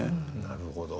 なるほど。